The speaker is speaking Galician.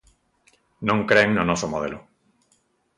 Non cren no noso modelo.